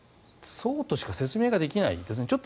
そうとしか説明できないですね。